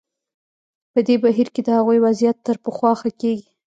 په دې بهیر کې د هغوی وضعیت تر پخوا ښه کېږي.